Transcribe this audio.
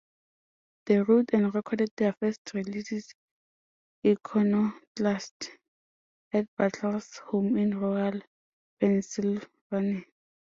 They wrote and recorded their first release, "Iconoclast" at Bechdel's home in rural Pennsylvania.